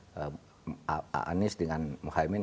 dan misalnya erickson anies dengan muhammad